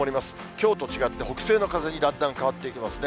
きょうと違って、北西の風にだんだん変わっていきますね。